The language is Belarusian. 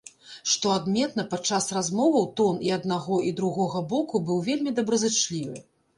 Што адметна, падчас размоваў тон і аднаго, і другога боку быў вельмі добразычлівы.